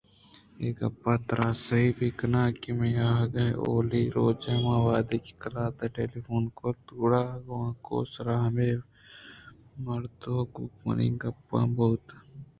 اے گپ ءَ ترا سہی بہ کناں کہ منی آہگ ءِ اولی روچ ءَ من وہدے کہ قلات ءَٹیلی فون کُت گڑا گوانکو ءِ سرا ہمے مرد ءَ گوں منی گپ بوت